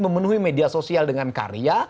memenuhi media sosial dengan karya